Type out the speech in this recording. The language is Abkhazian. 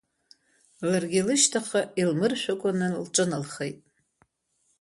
Ларгьы лышьҭахьҟа илмыршәыкәаны лҿыналхеит.